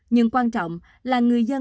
nhưng quan trọng là người dân